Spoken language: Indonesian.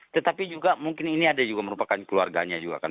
tetapi juga mungkin ini ada juga merupakan keluarganya juga kan